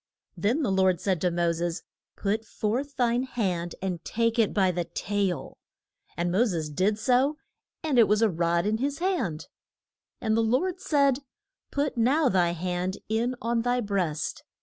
Then the Lord said to Mo ses, Put forth thine hand, and take it by the tail. And Mo ses did so, and it was a rod in his hand. And the Lord said, Put now thy hand in on thy breast.